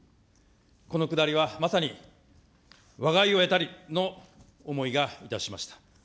このくだりはまさに、わが意を得たりの思いがいたしました。